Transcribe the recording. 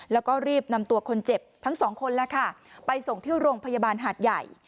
แล้วก็รีบนำตัวคนเจ็บทั้งสองคนแล้วค่ะไปส่งที่โรงพยาบาลหาดใหญ่